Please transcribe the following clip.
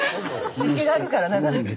湿気があるからなかなか。